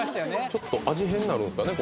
ちょっと味変なるんすかね